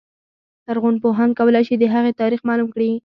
لرغونپوهان کولای شي د هغې تاریخ معلوم کړي.